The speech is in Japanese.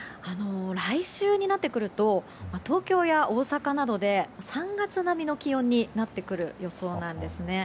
来週になってくると東京や大阪などで３月並みの気温になってくる予想なんですね。